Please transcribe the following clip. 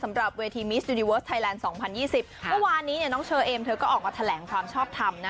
สำหรับเวทีมิสยูนิเวิร์สไทยแลนด์สองพันยี่สิบค่ะเมื่อวานนี้เนี้ยน้องเชอเอมเธอก็ออกกับแถลงความชอบทำนะ